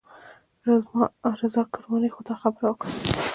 رضا کرماني خو دا خبره وکړه.